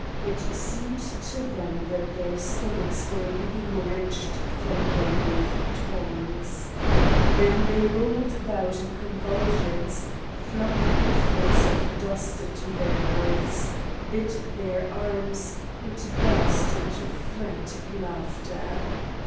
It seemed to them that their stomachs were being wrenched from them with tongs. Then they rolled about in convulsions, flung handfuls of dust into their mouths, bit their arms, and burst into frantic laughter.